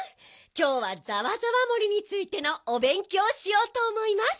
きょうはざわざわ森についてのおべんきょうしようとおもいます。